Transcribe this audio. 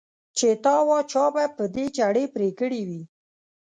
چې ته وا چا به په چړې پرې کړي وي.